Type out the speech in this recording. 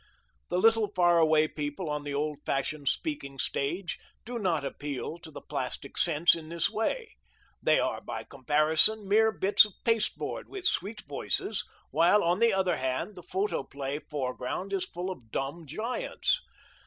The little far away people on the old fashioned speaking stage do not appeal to the plastic sense in this way. They are, by comparison, mere bits of pasteboard with sweet voices, while, on the other hand, the photoplay foreground is full of dumb giants.